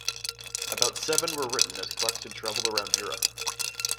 About seven were written as Clarkson travelled around Europe.